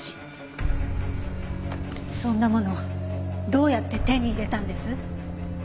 そんなものどうやって手に入れたんです？